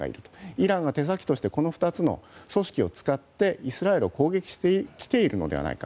イランが、手先としてこの２つの組織を使ってイスラエルを攻撃してきているのではないか。